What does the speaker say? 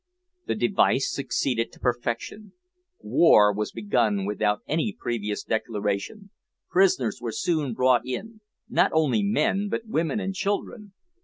The device succeeded to perfection. War was begun without any previous declaration; prisoners were soon brought in not only men, but women and children.